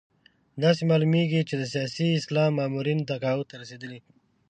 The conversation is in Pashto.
داسې معلومېږي چې د سیاسي اسلام مامورین تقاعد ته رسېدلي.